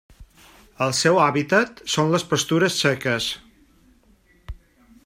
El seu hàbitat són les pastures seques.